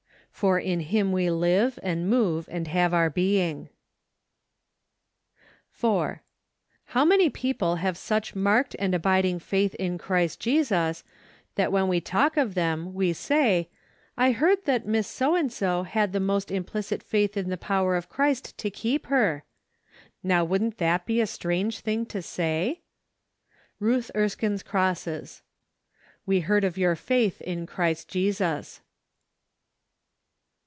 " For in him we live , and move , and have our i being ." 4. How many people have such marked and abiding faith in Christ Jesus, that when we talk of them we say, " I heard that Miss So and So had the most implicit faith in the power of Christ to keep her"? Now wouldn't that be a strange thing to say ? Ruth Erskine's Crosses. " We heard of your faith in Christ Jesus."